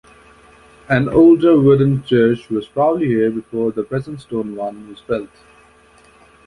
An older wooden church was probably here before the present stone one was built.